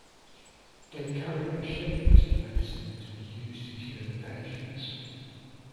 They carry a shipment of medicine to be used to cure the patients.